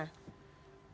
kalau misalnya tadi